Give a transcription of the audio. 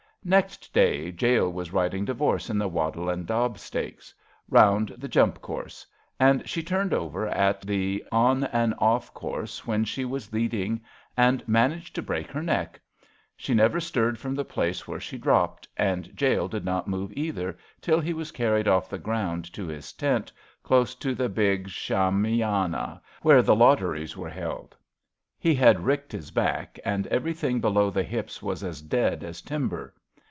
Next day Jale was riding Divorce in the Wattle and Dab Stakes — round the jump course; and she turned over at the on and off course when she was leading and managed to break her neck. She never stirred from the place where she dropped, and Jale did not move either till he was carried off the ground to his tent close to the big shamiana where the lotteries were held. He had ricked his back, and everything below the hips was as dead as timber.